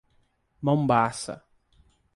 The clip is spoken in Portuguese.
Mombaça